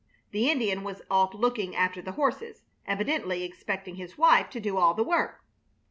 The Indian was off looking after the horses, evidently expecting his wife to do all the work.